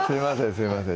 すいません